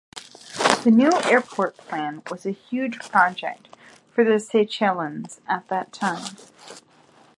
The new airport plan was a huge project for the Seychelles at that time.